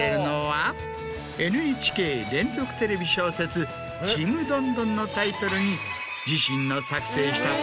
ＮＨＫ連続テレビ小説『ちむどんどん』のタイトルに。